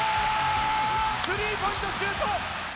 スリーポイントシュート。